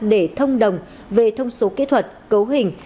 để thông đồng về thông số kỹ thuật cấu hình